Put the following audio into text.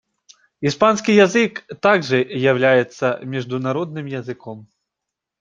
Испанский язык также является международным языком.